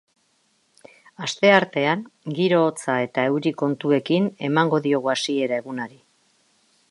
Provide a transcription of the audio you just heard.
Asteartean, giro hotza eta euri kontuekin emango diogu hasiera egunari.